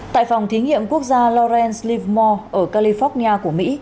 tại phòng thí nghiệm quốc gia lawrence livmore ở california của mỹ